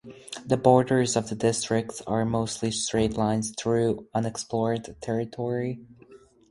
The borders of the district are mostly straight lines through unexplored territory.